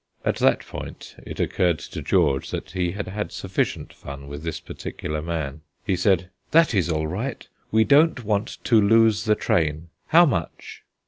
At that point it occurred to George that he had had sufficient fun with this particular man. He said: "That is all right. We don't want to lose the train. How much?"